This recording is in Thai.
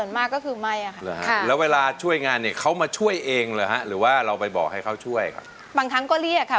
ไม่อยู่นิ่งอะค่ะยุกยิกอยู่ตลอดเวลา